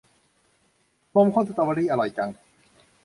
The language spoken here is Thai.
นมข้นสตอเบอร์รี่ อร่อยจัง